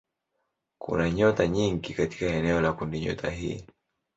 Kuna nyota nyingi katika eneo la kundinyota hii.